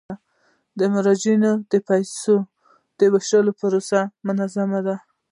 د مراجعینو د پيسو د ویش پروسه منظمه ده.